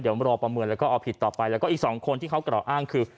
เดี๋ยวรอประเมินแล้วก็เอาผิดต่อไปแล้วก็อีกสองคนที่เขากล่าวอ้างคือ